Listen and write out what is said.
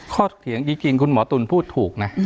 เถียงจริงคุณหมอตุ๋นพูดถูกนะ